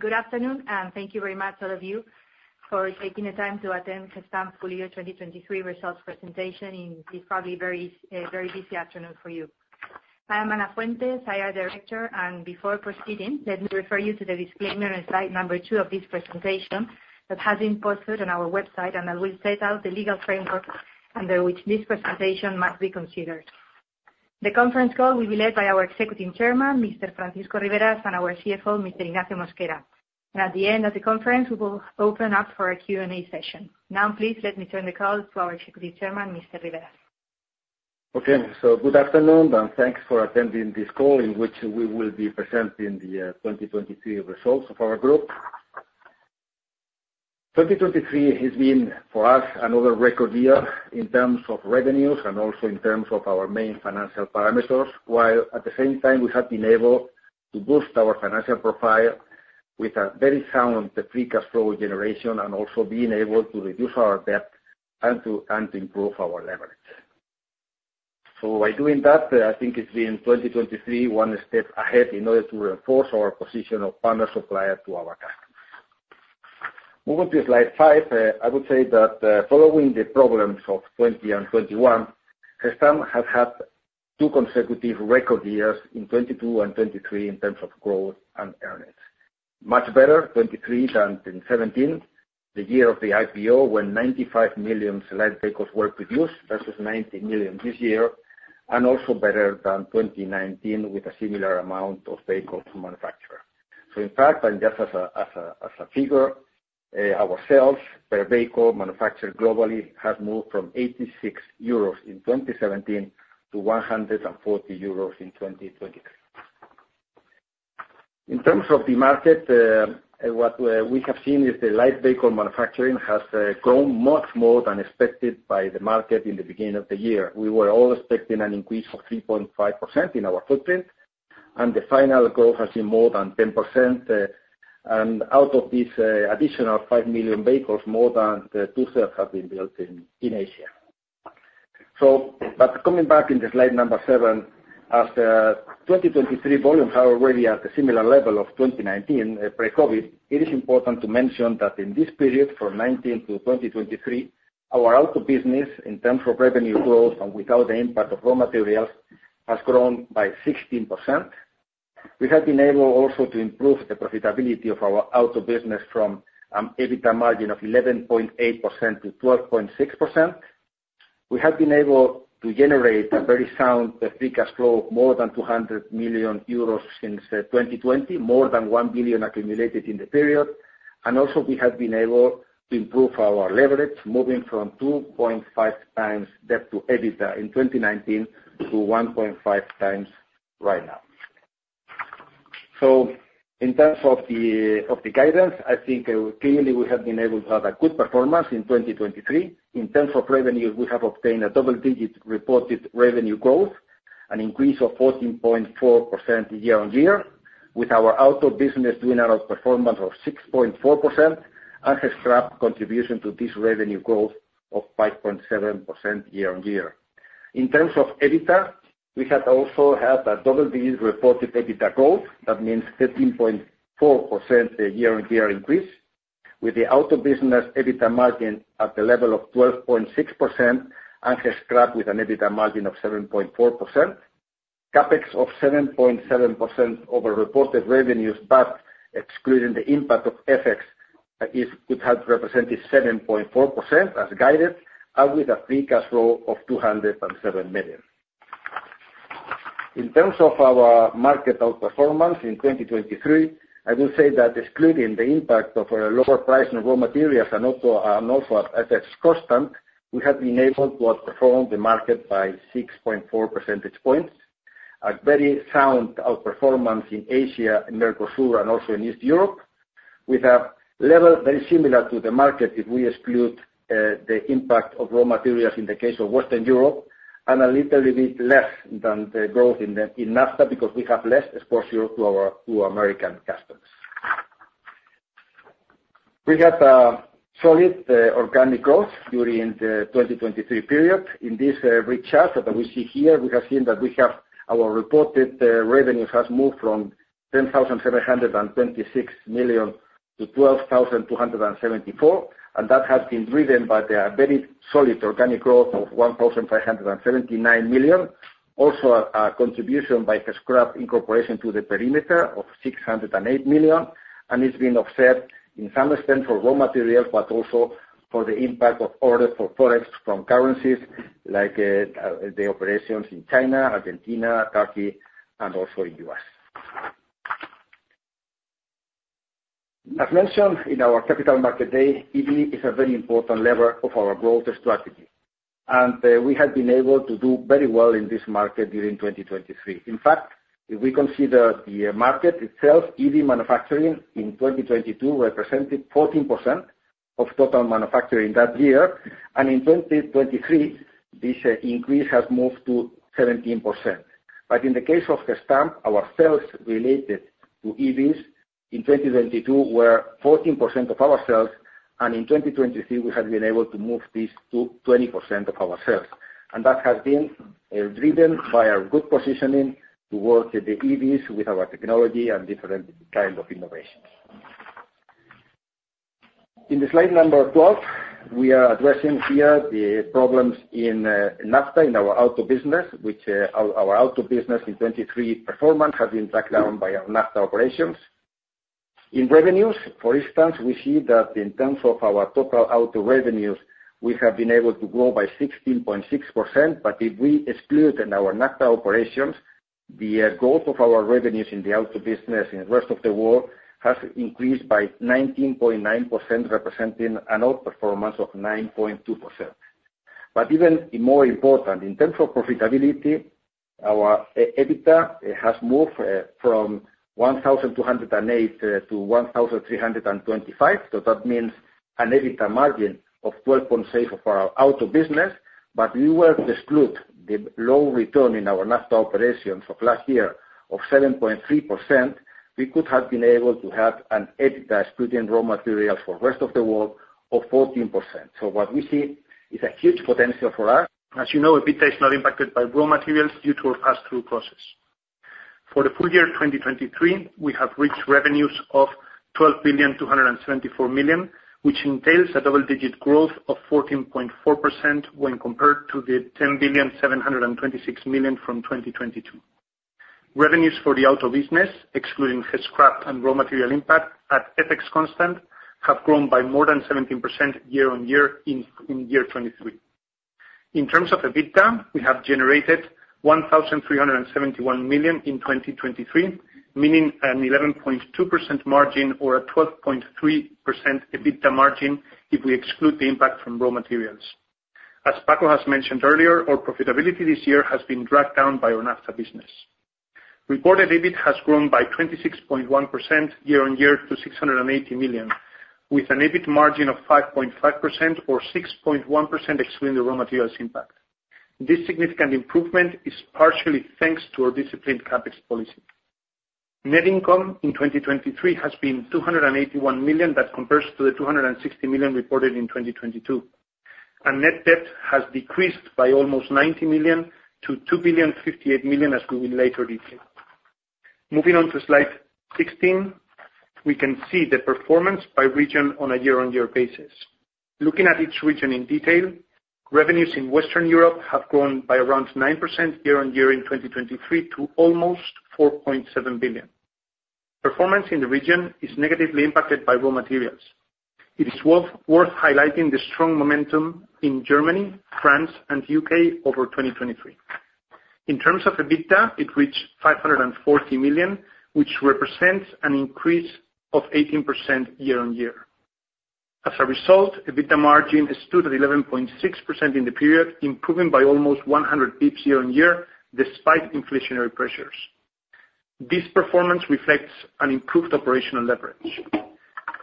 Good afternoon, and thank you very much, all of you, for taking the time to attend Gestamp full-year 2023 results presentation in this probably very, very busy afternoon for you. I am Ana Fuentes, Director, and before proceeding, let me refer you to the disclaimer and slide number 2 of this presentation that has been posted on our website, and I will set out the legal framework under which this presentation must be considered. The conference call will be led by our Executive Chairman, Mr. Francisco Riberas, and our CFO, Mr. Ignacio Mosquera. At the end of the conference, we will open up for a Q&A session. Now, please, let me turn the call to our Executive Chairman, Mr. Riberas. Okay, so good afternoon, and thanks for attending this call in which we will be presenting the 2023 results of our group. 2023 has been, for us, another record year in terms of revenues and also in terms of our main financial parameters, while at the same time, we have been able to boost our financial profile with a very sound free cash flow generation and also being able to reduce our debt and to and to improve our leverage. So by doing that, I think it's been 2023 one step ahead in order to reinforce our position of partner supplier to our customers. Moving to slide five, I would say that, following the problems of 2020 and 2021, Gestamp has had two consecutive record years in 2022 and 2023 in terms of growth and earnings. Much better, 2023, than 2017, the year of the IPO when 95 million select vehicles were produced versus 90 million this year, and also better than 2019 with a similar amount of vehicles manufactured. So in fact, and just as a figure, our sales per vehicle manufactured globally has moved from 86 euros in 2017 to 140 euros in 2023. In terms of the market, what we have seen is the light vehicle manufacturing has grown much more than expected by the market in the beginning of the year. We were all expecting an increase of 3.5% in our footprint, and the final growth has been more than 10%, and out of these additional 5 million vehicles, more than two-thirds have been built in Asia. So but coming back to the slide number seven, as 2023 volumes are already at a similar level of 2019, pre-COVID, it is important to mention that in this period from 2019 to 2023, our auto business, in terms of revenue growth and without the impact of raw materials, has grown by 16%. We have been able also to improve the profitability of our auto business from an EBITDA margin of 11.8% to 12.6%. We have been able to generate a very sound free cash flow of more than 200 million euros since 2020, more than 1 billion accumulated in the period, and also we have been able to improve our leverage, moving from 2.5x debt to EBITDA in 2019 to 1.5x right now. So in terms of the guidance, I think, clearly we have been able to have a good performance in 2023. In terms of revenues, we have obtained a double-digit reported revenue growth, an increase of 14.4% year-on-year, with our auto business doing out of performance of 6.4% and Gescrap contribution to this revenue growth of 5.7% year-on-year. In terms of EBITDA, we have also had a double-digit reported EBITDA growth. That means 13.4% year-on-year increase, with the auto business EBITDA margin at the level of 12.6% and Gescrap with an EBITDA margin of 7.4%. CAPEX of 7.7% over reported revenues, but excluding the impact of FX, would have represented 7.4% as guided, and with a free cash flow of 207 million. In terms of our market outperformance in 2023, I will say that excluding the impact of lower price on raw materials and auto and also at FX costs, we have been able to outperform the market by 6.4 percentage points. A very sound outperformance in Asia, in Mercosur, and also in Eastern Europe. We have level very similar to the market if we exclude the impact of raw materials in the case of Western Europe and a little bit less than the growth in NAFTA because we have less exports here to our American customers. We had solid organic growth during the 2023 period. In this red chart that we see here, we have seen that we have our reported revenues has moved from 10,726 million to 12,274 million, and that has been driven by the very solid organic growth of 1,579 million, also a contribution by acquisition to the perimeter of 608 million, and it's been offset to some extent by raw materials but also by the impact of adverse forex from currencies like the operations in China, Argentina, Turkey, and also in the U.S. As mentioned in our capital market day, EV is a very important lever of our growth strategy, and we have been able to do very well in this market during 2023. In fact, if we consider the market itself, EV manufacturing in 2022 represented 14% of total manufacturing that year, and in 2023, this increase has moved to 17%. But in the case of Gestamp, our sales related to EVs in 2022 were 14% of our sales, and in 2023, we have been able to move this to 20% of our sales, and that has been driven by our good positioning towards the EVs with our technology and different kind of innovations. In the slide number 12, we are addressing here the problems in NAFTA in our auto business, which our auto business in 2023 performance has been tracked down by our NAFTA operations. In revenues, for instance, we see that in terms of our total auto revenues, we have been able to grow by 16.6%, but if we exclude our NAFTA operations, the growth of our revenues in the auto business in the rest of the world has increased by 19.9% representing an outperformance of 9.2%. But even more important, in terms of profitability, our EBITDA has moved from 1,208 million to 1,325 million, so that means an EBITDA margin of 12.6% of our auto business. But if we were to exclude the low return in our NAFTA operations of last year of 7.3%, we could have been able to have an EBITDA excluding raw materials for the rest of the world of 14%. So what we see is a huge potential for us. As you know, EBITDA is not impacted by raw materials due to a pass-through process. For the full-year 2023, we have reached revenues of 12,274 million, which entails a double-digit growth of 14.4% when compared to the 10,726 million from 2022. Revenues for the auto business, excluding Gescrap and raw material impact, at FX constant have grown by more than 17% year-on-year in year 2023. In terms of EBITDA, we have generated 1,371 million in 2023, meaning an 11.2% margin or a 12.3% EBITDA margin if we exclude the impact from raw materials. As Paco has mentioned earlier, our profitability this year has been dragged down by our NAFTA business. Reported EBIT has grown by 26.1% year-on-year to 680 million, with an EBIT margin of 5.5% or 6.1% excluding the raw materials impact. This significant improvement is partially thanks to our disciplined CAPEX policy. Net income in 2023 has been 281 million that compares to the 260 million reported in 2022, and net debt has decreased by almost 90-2,058 million as we will later detail. Moving on to slide 16, we can see the performance by region on a year-over-year basis. Looking at each region in detail, revenues in Western Europe have grown by around 9% year-over-year in 2023 to almost 4.7 billion. Performance in the region is negatively impacted by raw materials. It is worth highlighting the strong momentum in Germany, France, and U.K. over 2023. In terms of EBITDA, it reached 540 million, which represents an increase of 18% year-over-year. As a result, EBITDA margin is 2%-11.6% in the period, improving by almost 100 bps year-over-year despite inflationary pressures. This performance reflects an improved operational leverage.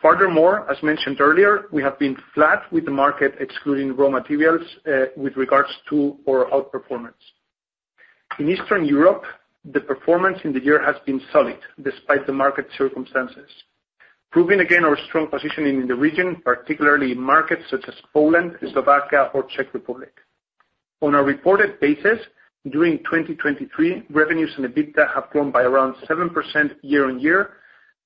Furthermore, as mentioned earlier, we have been flat with the market excluding raw materials, with regards to our outperformance. In Eastern Europe, the performance in the year has been solid despite the market circumstances, proving again our strong positioning in the region, particularly in markets such as Poland, Slovakia, or Czech Republic. On a reported basis, during 2023, revenues and EBITDA have grown by around 7% year-on-year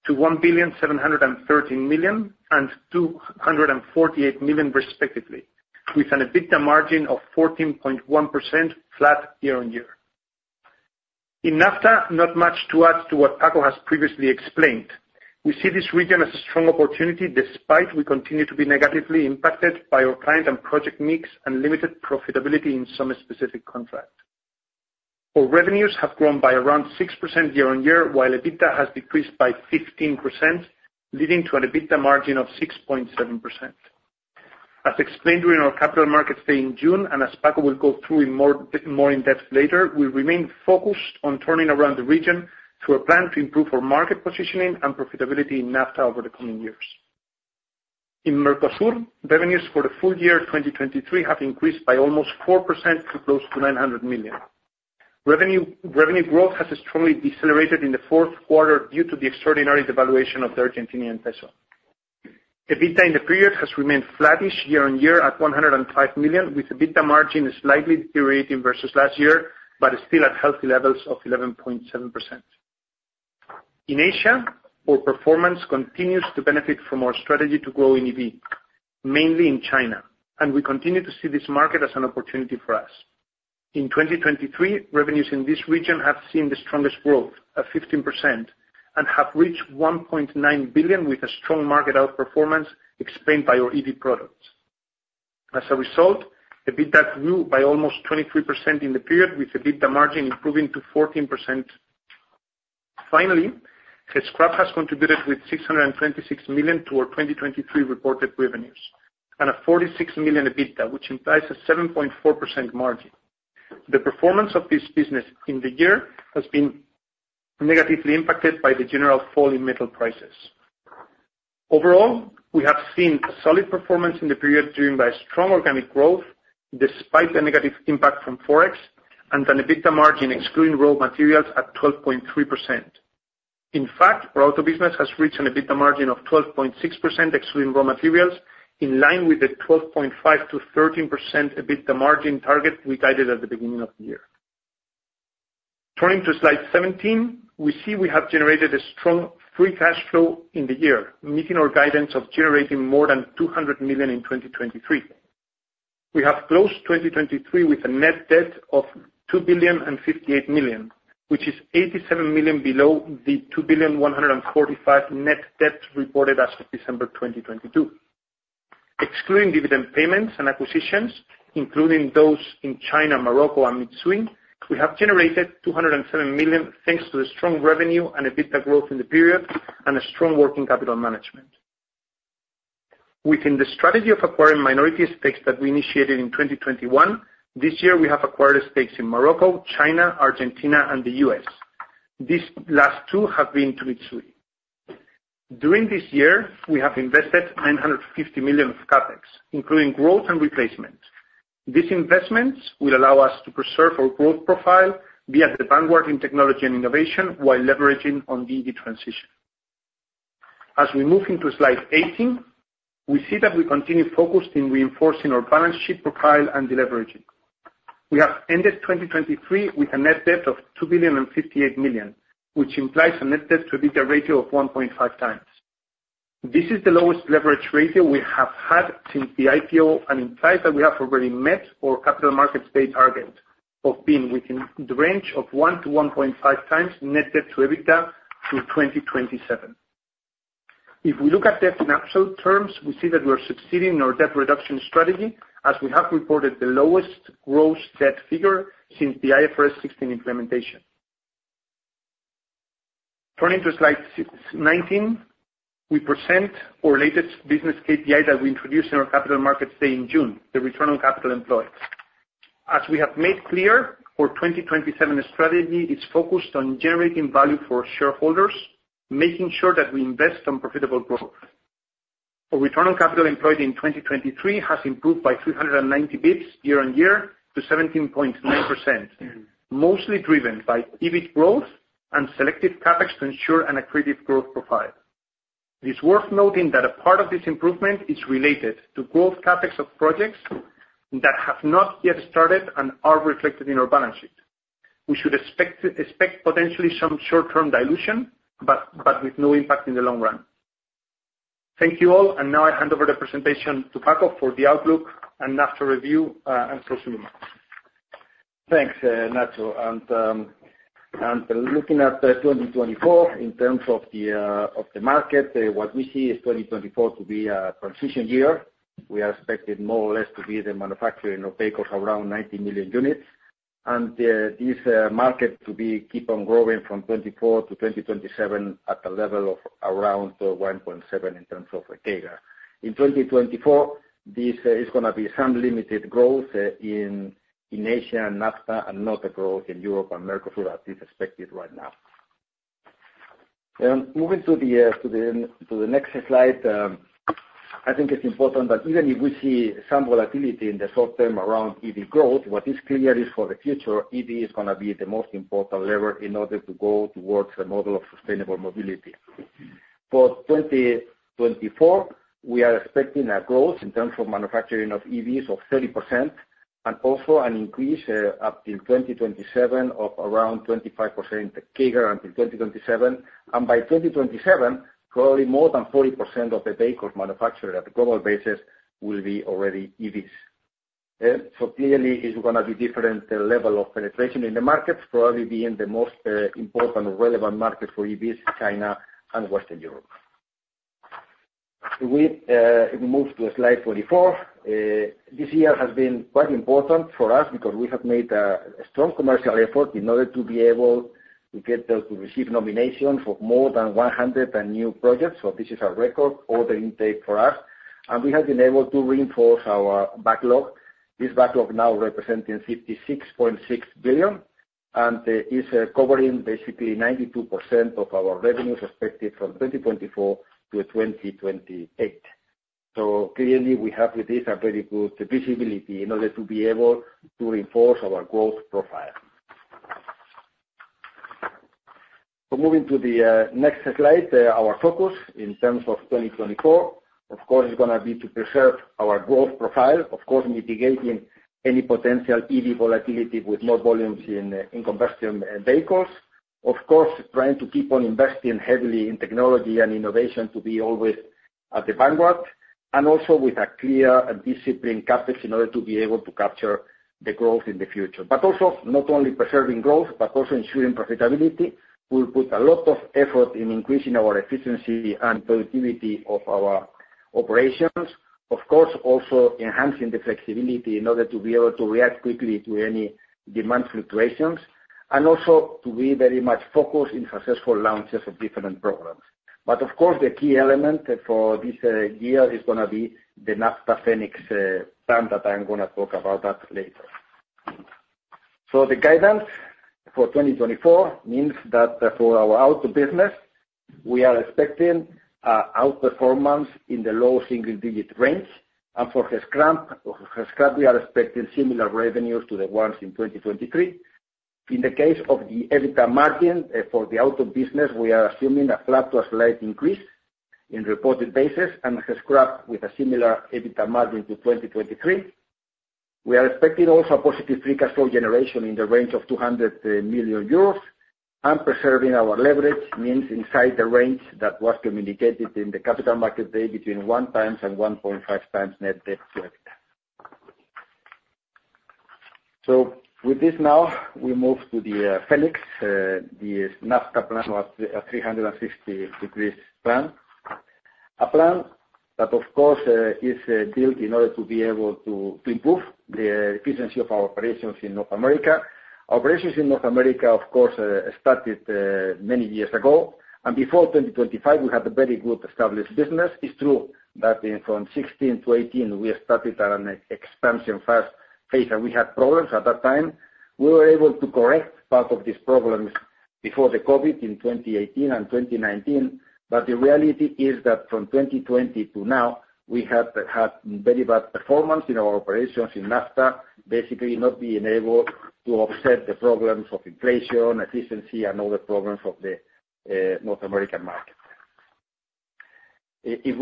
to 1,713 million and 248 million, respectively, with an EBITDA margin of 14.1% flat year-on-year. In NAFTA, not much to add to what Paco has previously explained. We see this region as a strong opportunity despite we continue to be negatively impacted by our client and project mix and limited profitability in some specific contracts. Our revenues have grown by around 6% year-on-year, while EBITDA has decreased by 15%, leading to an EBITDA margin of 6.7%. As explained during our capital markets day in June, and as Paco will go through in more in-depth later, we remain focused on turning around the region through a plan to improve our market positioning and profitability in NAFTA over the coming years. In Mercosur, revenues for the full-year 2023 have increased by almost 4% to close to 900 million. Revenue growth has strongly decelerated in the fourth quarter due to the extraordinary devaluation of the Argentinian peso. EBITDA in the period has remained flattish year-on-year at 105 million, with EBITDA margin slightly deteriorating versus last year but still at healthy levels of 11.7%. In Asia, our performance continues to benefit from our strategy to grow in EV, mainly in China, and we continue to see this market as an opportunity for us. In 2023, revenues in this region have seen the strongest growth, at 15%, and have reached 1.9 billion with a strong market outperformance explained by our EV products. As a result, EBITDA grew by almost 23% in the period, with EBITDA margin improving to 14%. Finally, Gescrap has contributed with 626 million to our 2023 reported revenues and a 46 million EBITDA, which implies a 7.4% margin. The performance of this business in the year has been negatively impacted by the general fall in metal prices. Overall, we have seen a solid performance in the period driven by strong organic growth despite the negative impact from forex and an EBITDA margin excluding raw materials at 12.3%. In fact, our auto business has reached an EBITDA margin of 12.6% excluding raw materials, in line with the 12.5%-13% EBITDA margin target we guided at the beginning of the year. Turning to slide 17, we see we have generated a strong free cash flow in the year, meeting our guidance of generating more than 200 million in 2023. We have closed 2023 with a net debt of 2.058 billion, which is 87 million below the 2.145 billion net debt reported as of December 2022. Excluding dividend payments and acquisitions, including those in China, Morocco, and Mitsui, we have generated 207 million thanks to the strong revenue and EBITDA growth in the period and a strong working capital management. Within the strategy of acquiring minority stakes that we initiated in 2021, this year, we have acquired stakes in Morocco, China, Argentina, and the U.S. These last two have been to Mitsui. During this year, we have invested 950 million of CAPEX, including growth and replacement. These investments will allow us to preserve our growth profile via the vanguard in technology and innovation while leveraging on the EV transition. As we move into slide 18, we see that we continue focused in reinforcing our balance sheet profile and deleveraging. We have ended 2023 with a net debt of 2.058 billion, which implies a net debt-to-EBITDA ratio of 1.5x. This is the lowest leverage ratio we have had since the IPO and implies that we have already met our capital markets day target of being within the range of 1x-1.5x net debt-to-EBITDA through 2027. If we look at debt in absolute terms, we see that we are succeeding in our debt reduction strategy as we have reported the lowest gross debt figure since the IFRS 16 implementation. Turning to slide 19, we present our latest business KPI that we introduced in our capital markets day in June, the return on capital employed. As we have made clear, our 2027 strategy is focused on generating value for shareholders, making sure that we invest on profitable growth. Our return on capital employed in 2023 has improved by 390 basis points year on year to 17.9%, mostly driven by EV growth and selective CAPEX to ensure an accretive growth profile. It is worth noting that a part of this improvement is related to growth CAPEX of projects that have not yet started and are reflected in our balance sheet. We should expect potentially some short-term dilution but with no impact in the long run. Thank you all, and now I hand over the presentation to Paco for the outlook and NAFTA review, and proceeding months. Thanks, Nacho. And looking at 2024 in terms of the market, what we see is 2024 to be a transition year. We are expecting more or less the manufacturing of vehicles around 90 million units, and this market to keep on growing from 2024-2027 at a level of around 1.7% in terms of CAGR. In 2024, this is gonna be some limited growth in Asia and NAFTA and no growth in Europe and Mercosur as is expected right now. And moving to the next slide, I think it's important that even if we see some volatility in the short term around EV growth, what is clear is for the future, EV is gonna be the most important lever in order to go towards a model of sustainable mobility. For 2024, we are expecting a growth in terms of manufacturing of EVs of 30% and also an increase, up till 2027 of around 25% CAGR until 2027. By 2027, probably more than 40% of the vehicles manufactured at a global basis will be already EVs. So clearly, it's gonna be different, level of penetration in the markets, probably being the most, important or relevant market for EVs is China and Western Europe. If we, if we move to slide 24, this year has been quite important for us because we have made a strong commercial effort in order to be able to get there to receive nominations of more than 100 new projects. This is our record, all the intake for us. We have been able to reinforce our backlog, this backlog now representing 56.6 billion, and it's covering basically 92% of our revenues expected from 2024-2028. So clearly, we have with this a very good visibility in order to be able to reinforce our growth profile. So moving to the next slide, our focus in terms of 2024, of course, is gonna be to preserve our growth profile, of course, mitigating any potential EV volatility with more volumes in combustion vehicles. Of course, trying to keep on investing heavily in technology and innovation to be always at the vanguard and also with a clear and disciplined CAPEX in order to be able to capture the growth in the future. But also, not only preserving growth but also ensuring profitability, we'll put a lot of effort in increasing our efficiency and productivity of our operations, of course, also enhancing the flexibility in order to be able to react quickly to any demand fluctuations and also to be very much focused in successful launches of different programs. But of course, the key element for this year is gonna be the NAFTA Phoenix Plan that I am gonna talk about that later. So the guidance for 2024 means that, for our auto business, we are expecting outperformance in the low single-digit range. And for aftermarket, or for aftermarket, we are expecting similar revenues to the ones in 2023. In the case of the EBITDA margin, for the auto business, we are assuming a flat to a slight increase in reported basis and aftermarket with a similar EBITDA margin to 2023. We are expecting also a positive free cash flow generation in the range of 200 million euros. Preserving our leverage means inside the range that was communicated in the Capital Markets Day between 1x and 1.5x net debt to EBITDA. With this now, we move to the Phoenix Plan, the NAFTA Plan, 360° plan, a plan that, of course, is built in order to be able to improve the efficiency of our operations in North America. Our operations in North America, of course, started many years ago. Before 2025, we had a very good established business. It's true that, from 2016-2018, we started at an aggressive expansion fast phase, and we had problems at that time. We were able to correct part of these problems before the COVID in 2018 and 2019. But the reality is that from 2020 to now, we had very bad performance in our operations in NAFTA, basically not being able to offset the problems of inflation, efficiency, and other problems of the North American market. If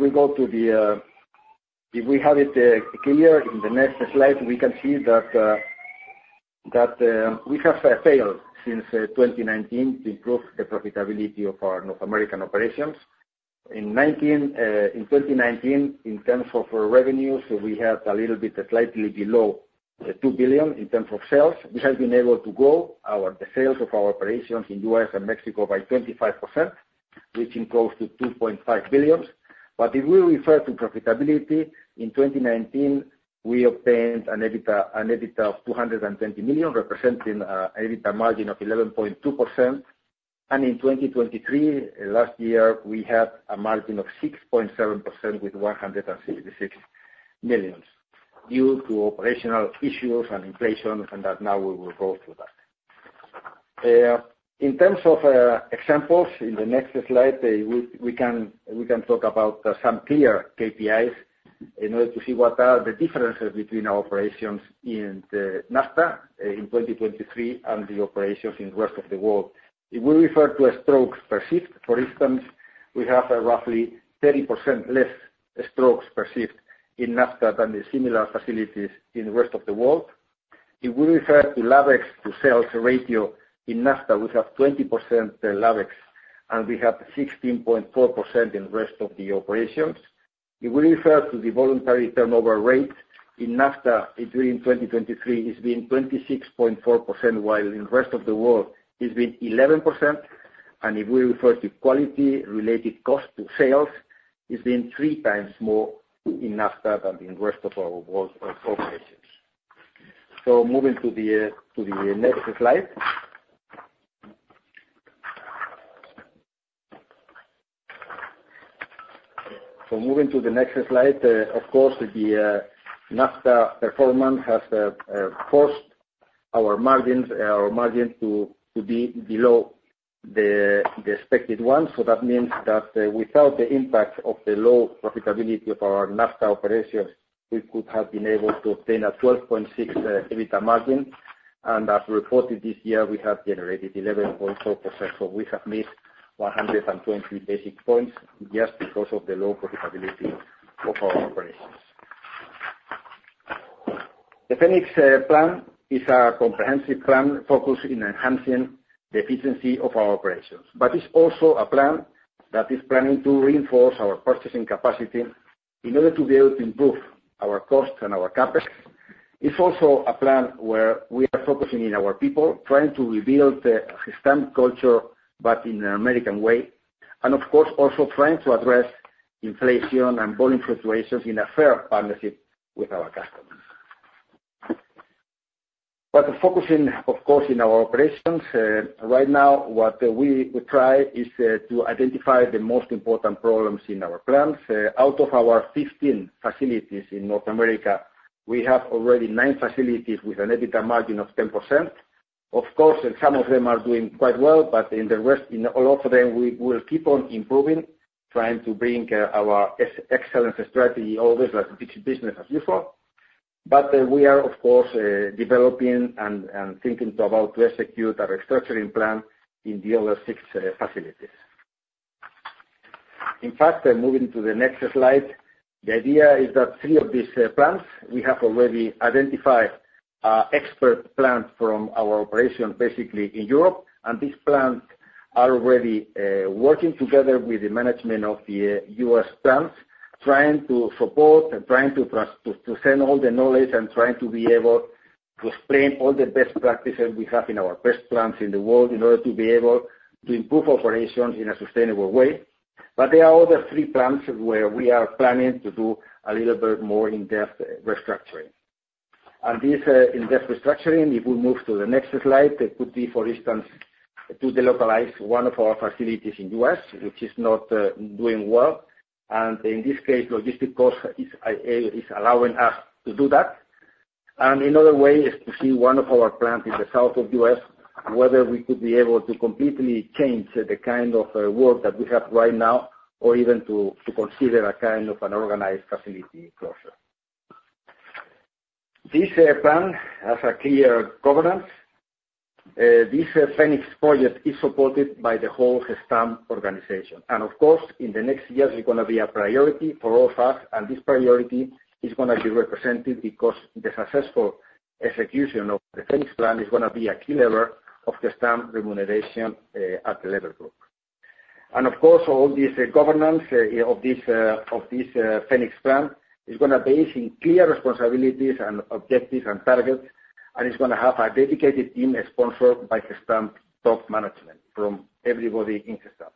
we go to the next slide, if we have it clear, we can see that we have failed since 2019 to improve the profitability of our North American operations. In 2019, in terms of revenues, we had a little bit slightly below 2 billion in terms of sales. We have been able to grow our sales of our operations in U.S. and Mexico by 25%, which increased to 2.5 billion. But if we refer to profitability, in 2019, we obtained an EBITDA of 220 million, representing an EBITDA margin of 11.2%. In 2023, last year, we had a margin of 6.7% with 166 million due to operational issues and inflation, and that now we will go through that. In terms of examples in the next slide, we can talk about some clear KPIs in order to see what are the differences between our operations in NAFTA in 2023 and the operations in the rest of the world. If we refer to cost per stroke, for instance, we have roughly 30% less cost per stroke in NAFTA than the similar facilities in the rest of the world. If we refer to CapEx to sales ratio in NAFTA, we have 20% CapEx, and we have 16.4% in the rest of the operations. If we refer to the voluntary turnover rate in NAFTA, it during 2023 has been 26.4%, while in the rest of the world, it's been 11%. If we refer to quality-related cost to sales, it's been 3x more in NAFTA than in the rest of our world operations. So moving to the next slide, of course, the NAFTA performance has forced our margin to be below the expected one. So that means that, without the impact of the low profitability of our NAFTA operations, we could have been able to obtain a 12.6% EBITDA margin. As reported this year, we have generated 11.4%. So we have missed 120 basis points just because of the low profitability of our operations. The Phoenix Plan is a comprehensive plan focused in enhancing the efficiency of our operations. But it's also a plan that is planning to reinforce our purchasing capacity in order to be able to improve our costs and our CAPEX. It's also a plan where we are focusing in our people, trying to rebuild Gestamp culture but in an American way, and, of course, also trying to address inflation and volume fluctuations in a fair partnership with our customers. But focusing, of course, in our operations, right now, what we try is to identify the most important problems in our plants. Out of our 15 facilities in North America, we have already nine facilities with an EBITDA margin of 10%. Of course, some of them are doing quite well, but in the rest in all of them, we will keep on improving, trying to bring our excellence strategy always as business as usual. But we are, of course, developing and thinking about to execute our restructuring plan in the other six facilities. In fact, moving to the next slide, the idea is that three of these plants we have already identified, expert plants from our operation basically in Europe. These plants are already working together with the management of the U.S. plants, trying to support and trying to transfer to send all the knowledge and trying to be able to explain all the best practices we have in our best plants in the world in order to be able to improve operations in a sustainable way. There are other three plants where we are planning to do a little bit more in-depth restructuring. This in-depth restructuring, if we move to the next slide, it could be, for instance, to delocalize one of our facilities in the U.S., which is not doing well. In this case, logistic cost is allowing us to do that. And another way is to see one of our plants in the south of the U.S., whether we could be able to completely change the kind of work that we have right now or even to consider a kind of an organized facility closure. This plan has a clear governance. This Phoenix Plan is supported by the whole Gestamp organization. And, of course, in the next years, it's gonna be a priority for all of us, and this priority is gonna be represented because the successful execution of the Phoenix Plan is gonna be a key lever of Gestamp remuneration, at the level group. And, of course, all this governance of this Phoenix Plan is gonna base in clear responsibilities and objectives and targets, and it's gonna have a dedicated team sponsored by Gestamp top management from everybody in Gestamp.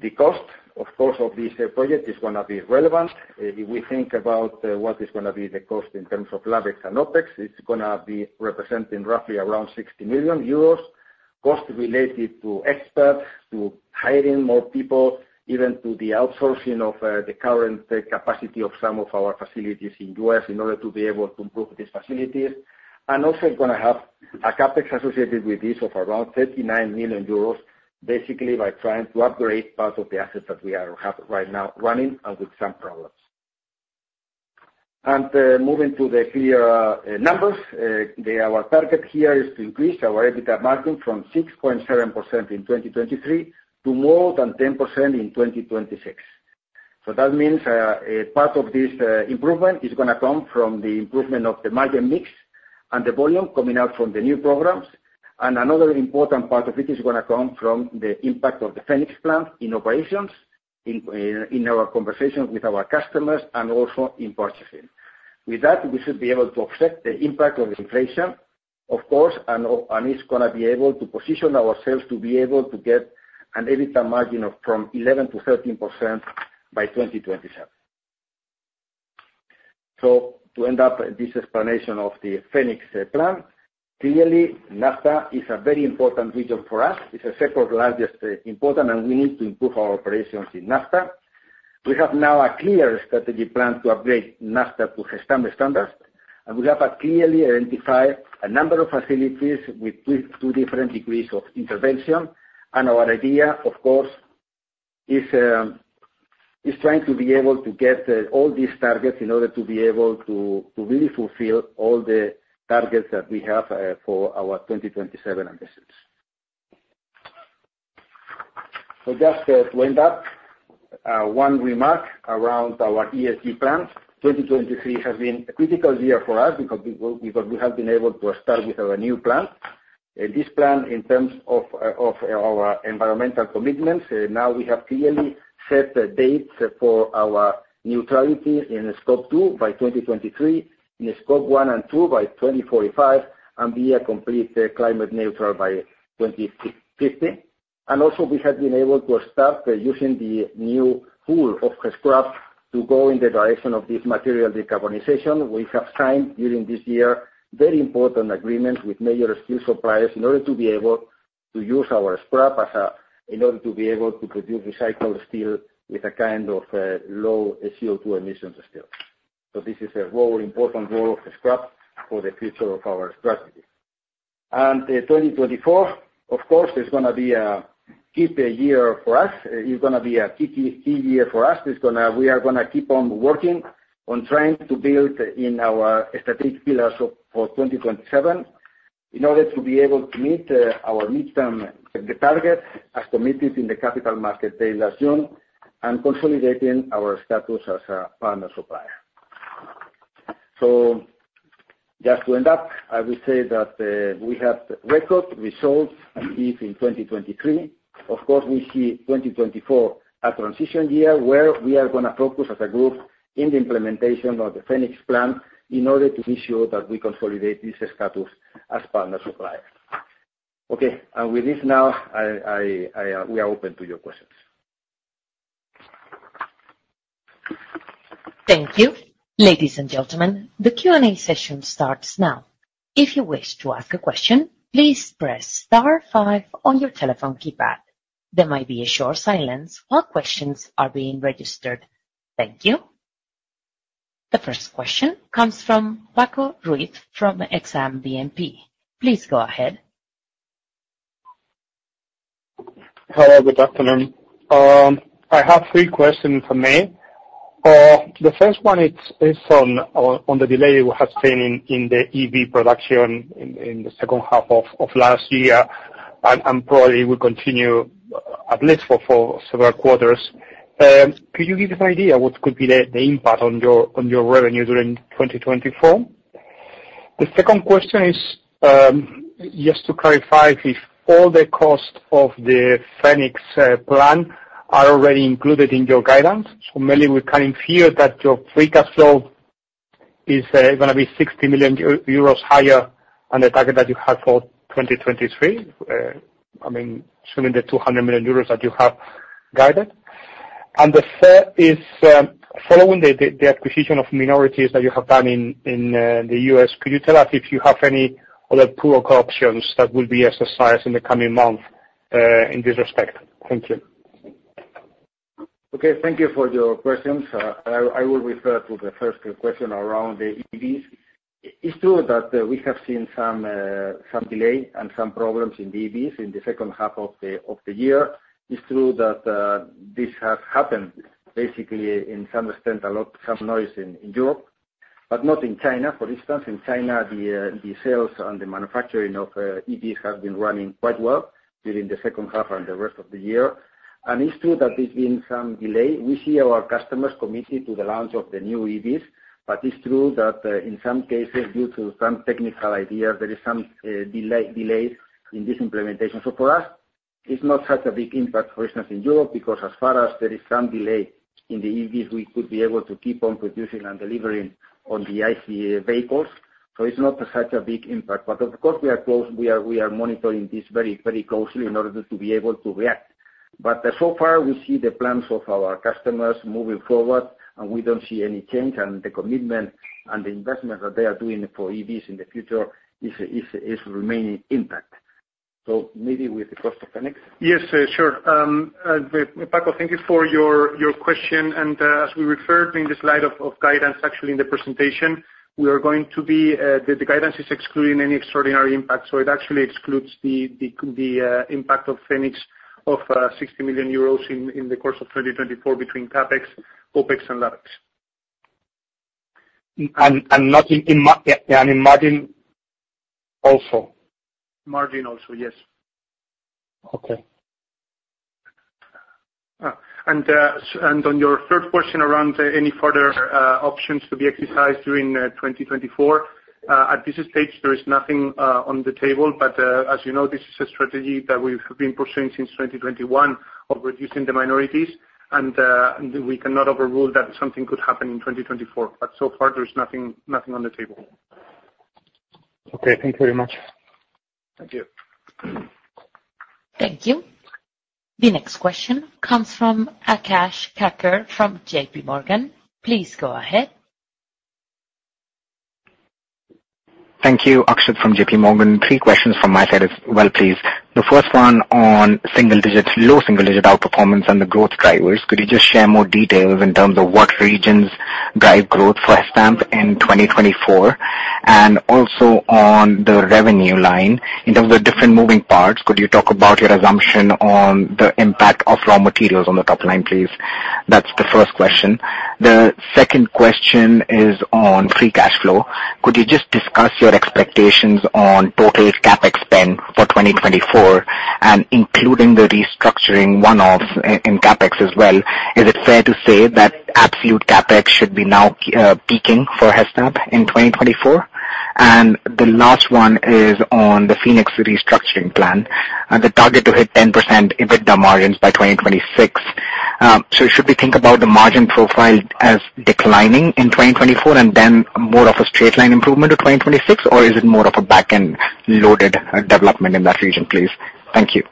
The cost, of course, of this project is gonna be relevant. If we think about what is gonna be the cost in terms of CapEx and OPEX, it's gonna be representing roughly around 60 million euros, cost related to experts, to hiring more people, even to the outsourcing of the current capacity of some of our facilities in the U.S. in order to be able to improve these facilities. Also, it's gonna have a CAPEX associated with this of around 39 million euros, basically by trying to upgrade part of the assets that we have right now running and with some problems. Moving to the clear numbers, our target here is to increase our EBITDA margin from 6.7% in 2023 to more than 10% in 2026. So that means, part of this improvement is gonna come from the improvement of the margin mix and the volume coming out from the new programs. And another important part of it is gonna come from the impact of the Phoenix Plan in operations, in our conversations with our customers and also in purchasing. With that, we should be able to offset the impact of inflation, of course, and it's gonna be able to position ourselves to be able to get an EBITDA margin of 11%-13% by 2027. So to end up this explanation of the Phoenix Plan, clearly, NAFTA is a very important region for us. It's the second largest, important, and we need to improve our operations in NAFTA. We have now a clear strategy plan to upgrade NAFTA to Gescrap standards, and we have clearly identified a number of facilities with two different degrees of intervention. And our idea, of course, is trying to be able to get all these targets in order to be able to really fulfill all the targets that we have for our 2027 ambitions. So just to end up, one remark around our ESG plan. 2023 has been a critical year for us because we have been able to start with our new plan. This plan, in terms of our environmental commitments, now we have clearly set dates for our neutrality in Scope 2 by 2023, in Scope 1 and 2 by 2045, and be a complete climate neutral by 2050. And also, we have been able to start using the new pool of Gescrap to go in the direction of this material decarbonization. We have signed during this year very important agreements with major steel suppliers in order to be able to use our scrap as a in order to be able to produce recycled steel with a kind of low CO2 emissions still. So this is an important role of Gescrap for the future of our strategy. And 2024, of course, is gonna be a key year for us. It's gonna be a key, key, key year for us. We are gonna keep on working on trying to build in our strategic pillars of for 2027 in order to be able to meet our midterm targets as committed in the capital market day last June and consolidating our status as a partner supplier. So just to end up, I would say that, we have record results achieved in 2023. Of course, we see 2024 a transition year where we are gonna focus as a group in the implementation of the Phoenix Plan in order to be sure that we consolidate this status as partner supplier. Okay. With this now, we are open to your questions. Thank you. Ladies and gentlemen, the Q&A session starts now. If you wish to ask a question, please press star 5 on your telephone keypad. There might be a short silence while questions are being registered. Thank you. The first question comes from Paco Ruiz from Exane BNP Paribas. Please go ahead. Hello. Good afternoon. I have three questions for me. The first one, it's on the delay we have seen in the EV production in the second half of last year, and probably will continue at least for several quarters. Could you give us an idea what could be the impact on your revenue during 2024? The second question is, just to clarify if all the costs of the Phoenix Plan are already included in your guidance. So mainly, we can infer that your free cash flow is gonna be 60 million euros higher than the target that you have for 2023, I mean, assuming the 200 million euros that you have guided. The third is, following the acquisition of minorities that you have done in the U.S., could you tell us if you have any other pullback options that will be exercised in the coming month, in this respect? Thank you. Okay. Thank you for your questions. And I will refer to the first question around the EVs. It's true that we have seen some delay and some problems in the EVs in the second half of the year. It's true that this has happened, basically, in some extent, a lot some noise in Europe, but not in China, for instance. In China, the sales and the manufacturing of EVs have been running quite well during the second half and the rest of the year. And it's true that there's been some delay. We see our customers committed to the launch of the new EVs, but it's true that, in some cases, due to some technical ideas, there is some delay in this implementation. So for us, it's not such a big impact, for instance, in Europe because as far as there is some delay in the EVs, we could be able to keep on producing and delivering on the ICE vehicles. So it's not such a big impact. But, of course, we are monitoring this very, very closely in order to be able to react. But, so far, we see the plans of our customers moving forward, and we don't see any change. And the commitment and the investment that they are doing for EVs in the future is remaining intact. So maybe with the cost of Phoenix? Yes, sure. Paco, thank you for your question. As we referred in the slide of guidance, actually in the presentation, the guidance is excluding any extraordinary impact. So it actually excludes the impact of Phoenix of 60 million euros in the course of 2024 between CAPEX, OPEX, and CapEx. And not in margin, yeah, and in margin also. Margin also, yes. Okay. And on your third question around any further options to be exercised during 2024, at this stage, there is nothing on the table. But as you know, this is a strategy that we have been pursuing since 2021 of reducing the minorities. And we cannot overrule that something could happen in 2024. But so far, there's nothing on the table. Okay. Thank you very much. Thank you. Thank you. The next question comes from Akshat Kacker from JPMorgan. Please go ahead. Thank you, Akshat, from JPMorgan. Three questions from my side as well, please. The first one on low single-digit outperformance and the growth drivers. Could you just share more details in terms of what regions drive growth for Gestamp in 2024? And also on the revenue line, in terms of the different moving parts, could you talk about your assumption on the impact of raw materials on the top line, please? That's the first question. The second question is on free cash flow. Could you just discuss your expectations on total CAPEX spend for 2024, and including the restructuring one-offs in CAPEX as well? Is it fair to say that absolute CAPEX should be now peaking for Gestamp in 2024? And the last one is on the Phoenix restructuring plan and the target to hit 10% EBITDA margins by 2026. So should we think about the margin profile as declining in 2024 and then more of a straight-line improvement to 2026, or is it more of a back-end loaded, development in that region, please? Thank you.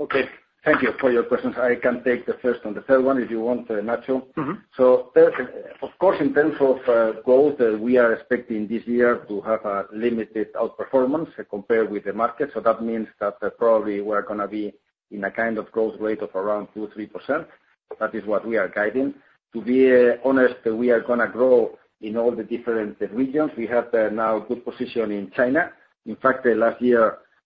Okay. Thank you for your questions. I can take the first and the third one if you want, Nacho. So there of course, in terms of, growth, we are expecting this year to have a limited outperformance compared with the market. So that means that, probably we are gonna be in a kind of growth rate of around 2%-3%. That is what we are guiding. To be honest, we are gonna grow in all the different, regions. We have, now good position in China. In fact, last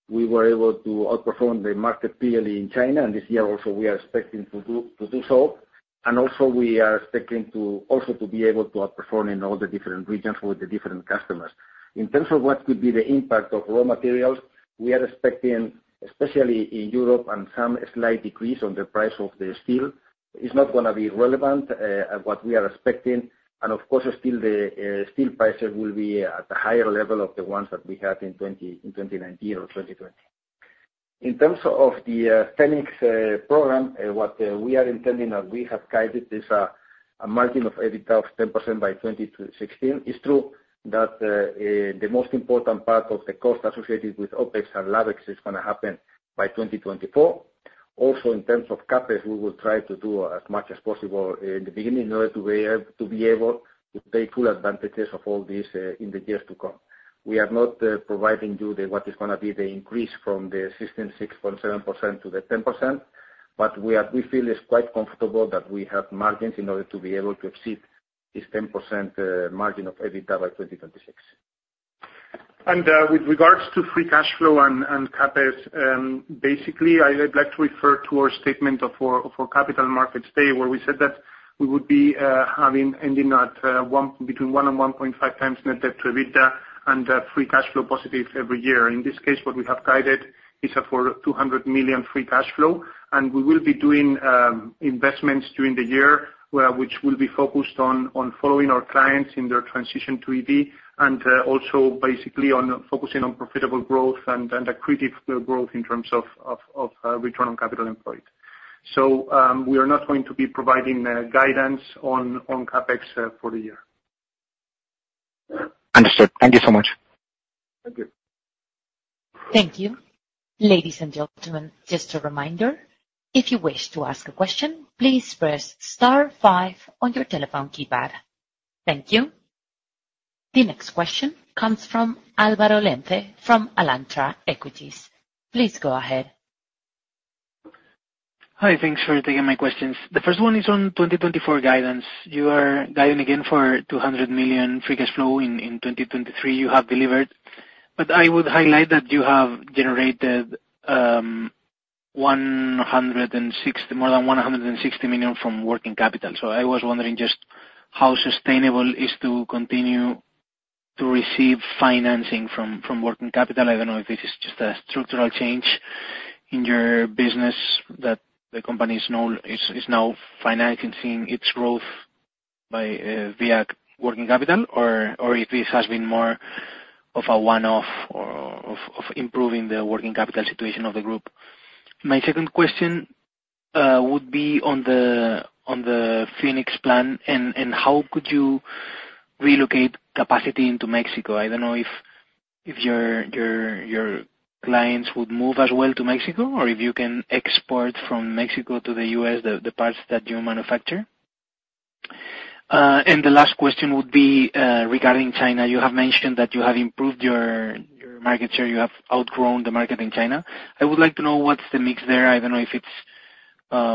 year, we were able to outperform the market clearly in China. And this year, also, we are expecting to do so. And also, we are expecting also to be able to outperform in all the different regions with the different customers. In terms of what could be the impact of raw materials, we are expecting, especially in Europe, some slight decrease on the price of the steel. It's not gonna be relevant, what we are expecting. And, of course, still, the steel prices will be at a higher level of the ones that we had in 2019 or 2020. In terms of the Phoenix program, what we are intending that we have guided is a margin of EBITDA of 10% by 2016. It's true that the most important part of the cost associated with OPEX and CapEx is gonna happen by 2024. Also, in terms of CAPEX, we will try to do as much as possible in the beginning in order to be able to take full advantages of all these in the years to come. We are not providing you with what is gonna be the increase from the existing 6.7% to the 10%, but we feel it's quite comfortable that we have margins in order to be able to exceed this 10% margin of EBITDA by 2026. With regards to free cash flow and CapEx, basically, I, I'd like to refer to our statement of our capital markets day where we said that we would be having ending at 1 between 1 and 1.5 times net debt to EBITDA and free cash flow positive every year. In this case, what we have guided is for 200 million free cash flow. We will be doing investments during the year, which will be focused on following our clients in their transition to EV and also basically on focusing on profitable growth and accretive growth in terms of return on capital employed. So, we are not going to be providing guidance on CapEx for the year. Understood. Thank you so much. Thank you. Thank you. Ladies and gentlemen, just a reminder, if you wish to ask a question, please press star five on your telephone keypad. Thank you. The next question comes from Álvaro Lenze from Alantra Equities. Please go ahead. Hi. Thanks for taking my questions. The first one is on 2024 guidance. You are guiding again for 200 million free cash flow. In 2023 you have delivered. But I would highlight that you have generated more than 160 million from working capital. So I was wondering just how sustainable is to continue to receive financing from working capital. I don't know if this is just a structural change in your business that the company is now financing its growth by via working capital or if this has been more of a one-off or of improving the working capital situation of the group. My second question would be on the Phoenix Plan and how could you relocate capacity into Mexico? I don't know if your clients would move as well to Mexico or if you can export from Mexico to the U.S. the parts that you manufacture. And the last question would be regarding China. You have mentioned that you have improved your market share. You have outgrown the market in China. I would like to know what's the mix there. I don't know if it's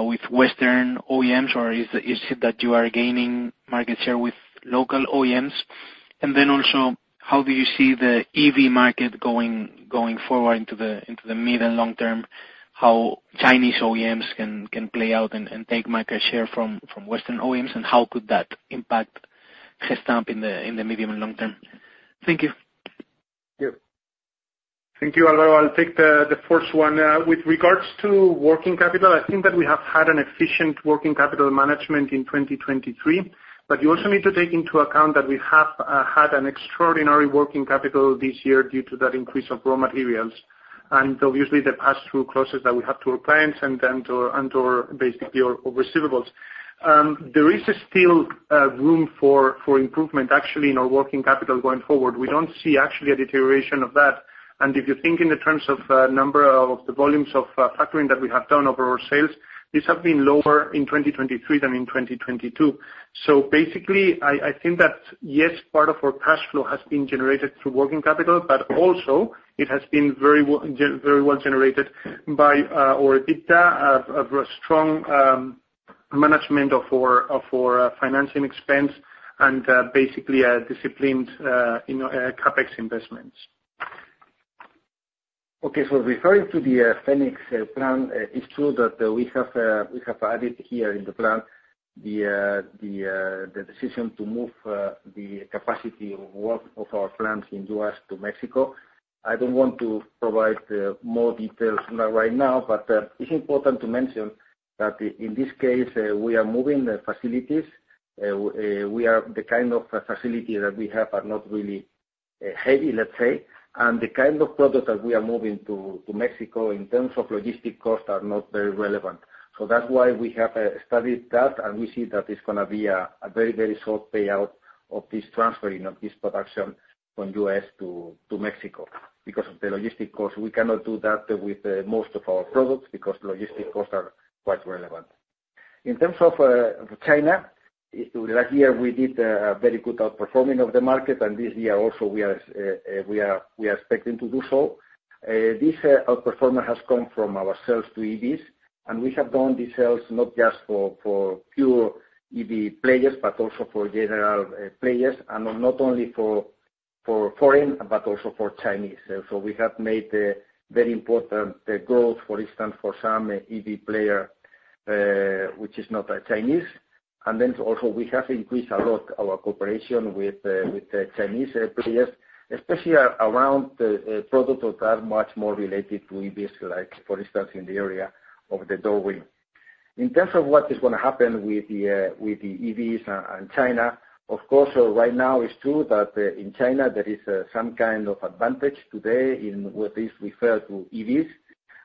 with Western OEMs or is it that you are gaining market share with local OEMs? And then also, how do you see the EV market going forward into the mid and long term? How Chinese OEMs can play out and take market share from Western OEMs? And how could that impact Gescrap in the medium and long term? Thank you. Yeah. Thank you, Álvaro. I'll take the first one. With regards to working capital, I think that we have had an efficient working capital management in 2023. But you also need to take into account that we have had an extraordinary working capital this year due to that increase of raw materials and, obviously, the pass-through clauses that we have to our clients and then to our and to our, basically, our receivables. There is still room for improvement, actually, in our working capital going forward. We don't see, actually, a deterioration of that. And if you think in terms of the volumes of factoring that we have done over our sales, these have been lower in 2023 than in 2022. So, basically, I think that, yes, part of our cash flow has been generated through working capital, but also, it has been very well generated by our EBITDA, of a strong management of our financing expense and, basically, a disciplined, you know, CAPEX investments. Okay. So referring to the Phoenix Plan, it's true that we have added here in the plan the decision to move the capacity of work of our plants in U.S. to Mexico. I don't want to provide more details now right now, but it's important to mention that, in this case, we are moving the facilities. We have the kind of facility that we have are not really heavy, let's say. And the kind of product that we are moving to Mexico in terms of logistic costs are not very relevant. So that's why we have studied that, and we see that it's gonna be a very, very short payout of this transferring of this production from U.S. to Mexico because of the logistic costs. We cannot do that with most of our products because logistic costs are quite relevant. In terms of China, last year we did a very good outperforming of the market. And this year, also, we are expecting to do so. This outperformance has come from our sales to EVs. And we have done these sales not just for pure EV players but also for general players and not only for foreign but also for Chinese. So we have made very important growth, for instance, for some EV player, which is not Chinese. Then also, we have increased a lot our cooperation with Chinese players, especially around the products that are much more related to EVs like, for instance, in the area of the Door Ring. In terms of what is gonna happen with the EVs and China, of course, right now, it's true that in China there is some kind of advantage today in what is referred to EVs.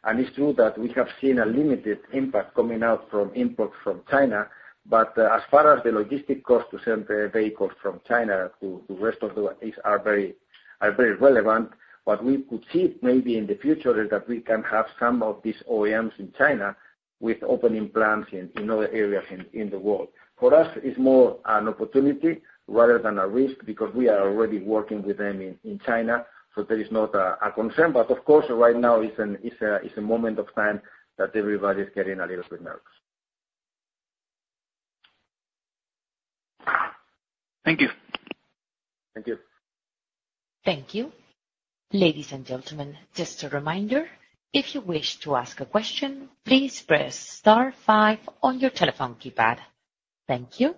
And it's true that we have seen a limited impact coming out from imports from China. But as far as the logistic cost to send vehicles from China to the rest of the world are very, very relevant. What we could see maybe in the future is that we can have some of these OEMs in China opening plants in other areas in the world. For us, it's more an opportunity rather than a risk because we are already working with them in China. So there is not a concern. But, of course, right now, it's a moment of time that everybody's getting a little bit nervous. Thank you. Thank you. Thank you. Ladies and gentlemen, just a reminder, if you wish to ask a question, please press star 5 on your telephone keypad. Thank you.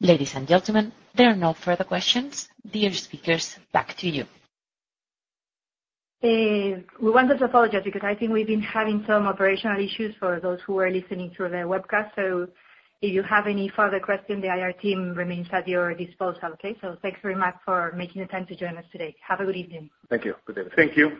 Ladies and gentlemen, there are no further questions. Dear speakers, back to you. We wanted to apologize because I think we've been having some operational issues for those who are listening through the webcast. So if you have any further question, the IR team remains at your disposal, okay? So thanks very much for making the time to join us today. Have a good evening. Thank you. Good evening. Thank you.